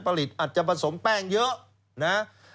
ผลิตอาจจะผสมแป้งเยอะ